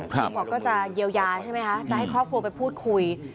ตำรวจก็จะเยียวยาใช่ไหมคะจะให้ครอบครัวไปพูดคุย